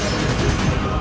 aku akan menang